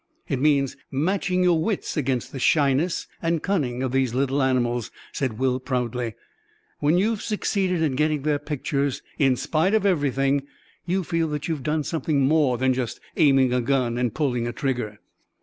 "It means matching your wits against the shyness and cunning of these little animals," said Will proudly; "and when you've succeeded in getting their pictures, in spite of everything, you feel that you've done something more than just aiming a gun and pulling a trigger."